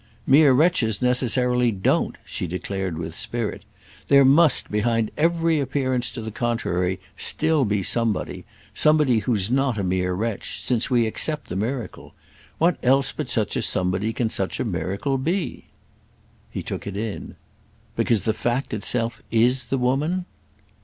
Mere wretches necessarily don't!" she declared with spirit. "There must, behind every appearance to the contrary, still be somebody—somebody who's not a mere wretch, since we accept the miracle. What else but such a somebody can such a miracle be?" He took it in. "Because the fact itself is the woman?"